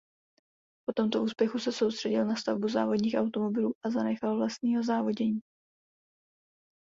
Po tomto úspěchu se soustředil na stavbu závodních automobilů a zanechal vlastního závodění.